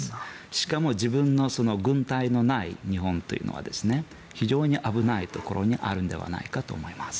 しかも自分の軍隊のない日本というのは非常に危ないところにあるんではないかと思います。